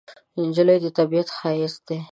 نجلۍ د طبیعت ښایست ده.